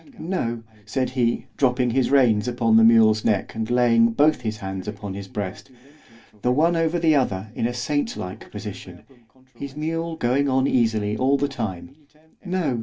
No! said he, dropping his reins upon his mule's neck, and laying both his hands upon his breast, the one over the other in a saint like position (his mule going on easily all the time) No!